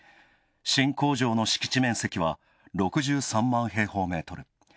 新工場の敷地面積は６３万平方メートル。